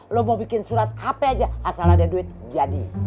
lo mau bikin surat hp aja asal ada duit jadi